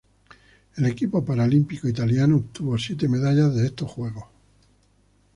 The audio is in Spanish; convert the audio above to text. El equipo paralímpico italiano obtuvo siete medallas en estos Juegos.